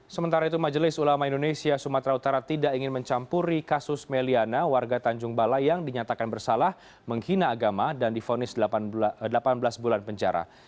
sementara itu majelis ulama indonesia sumatera utara tidak ingin mencampuri kasus meliana warga tanjung balai yang dinyatakan bersalah menghina agama dan difonis delapan belas bulan penjara